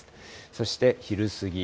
そして昼過ぎ。